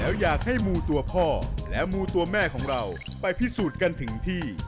แล้วอยากให้มูตัวพ่อและมูตัวแม่ของเราไปพิสูจน์กันถึงที่